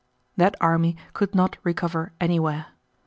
That army could not recover anywhere.